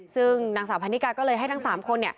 ซึ่งนางสาวพันนิกาก็เลยให้ทั้ง๓คน